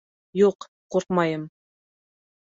Юҡ, ҡурҡмайым